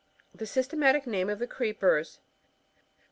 — The systematic name of the Creepers.